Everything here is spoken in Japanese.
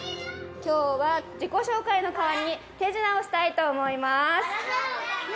きょうは自己紹介の代わりに、手品をしたいと思います。